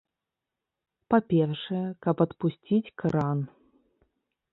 Па-першае, каб адпусціць кран.